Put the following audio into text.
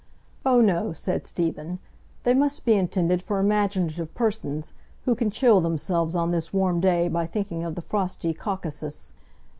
"Oh no," said Stephen, "they must be intended for imaginative persons, who can chill themselves on this warm day by thinking of the frosty Caucasus.